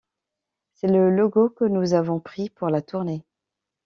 C'est le logo que nous avons pris pour la tournée.